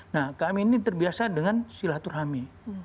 nah kami ini terbiasa dengan silaturahmi